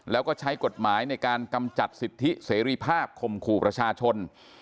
แล้วก็ใช้กฎหมายในการกำจัดสิทธิเสรีภาพคมขู่ประชาชน